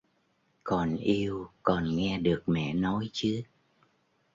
Còn yêu còn nghe được Mẹ nói chứ